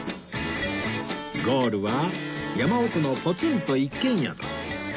ゴールは山奥のポツンと一軒宿